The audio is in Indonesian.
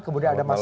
kemudian ada mas